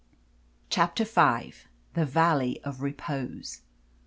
CHAPTER V. THE VALLEY OF REPOSE.